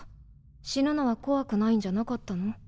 死ぬのは怖くないんじゃなかったの？